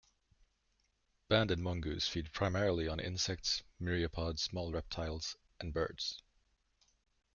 Banded mongoose feed primarily on insects, myriapods, small reptiles, and birds.